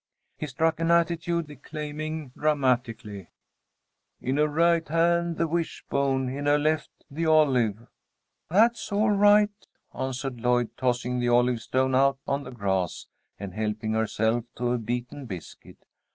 He struck an attitude, declaiming dramatically, "In her right hand the wish bone, in her left the olive." "That's all right," answered Lloyd, tossing the olive stone out on the grass, and helping herself to a beaten biscuit.